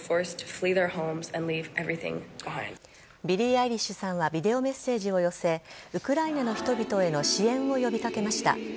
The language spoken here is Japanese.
ビリー・アイリッシュさんはビデオメッセージを寄せ、ウクライナの人々への支援を呼びかけました。